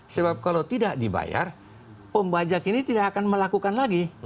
sebab kalau tidak dibayar pembajak ini tidak akan melakukan lagi